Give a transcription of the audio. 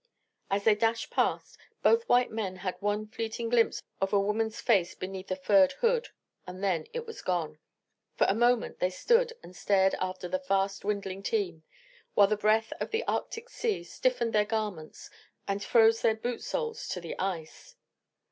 As they dashed past, both white men had one fleeting glimpse of a woman's face beneath a furred hood, and then it was gone. For a moment they stood and stared after the fast dwindling team, while the breath of the Arctic sea stiffened their garments and froze their boot soles to the ice.